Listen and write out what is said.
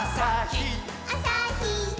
「あさひっ！